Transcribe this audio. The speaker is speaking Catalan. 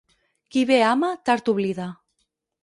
Qui bé ama, tard oblida.